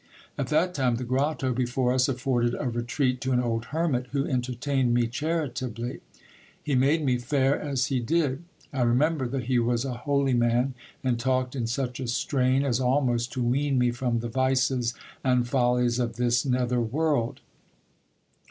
At that time the grotto before us afforded a retreat to an old hermit who entertained me charitably. He made me fare as he did. I remember that he was a holy man, and talked in such a strain as almost to wean me from the vices and follies of this nether world.